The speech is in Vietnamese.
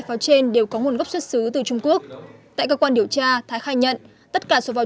pháo trên đều có nguồn gốc xuất xứ từ trung quốc tại cơ quan điều tra thái khai nhận tất cả số pháo